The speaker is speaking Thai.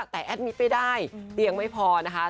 แต่แอดมิตรไม่ได้เตียงไม่พอนะคะ